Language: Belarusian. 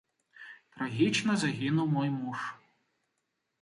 Трагічна загінуў мой муж.